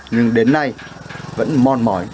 nhưng đến nay vẫn mòn mỏi